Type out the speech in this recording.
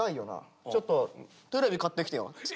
ちょっとテレビ買ってきてよ」。